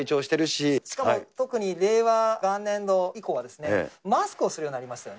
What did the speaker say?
しかも特に令和元年度以降は、マスクをするようになりましたよ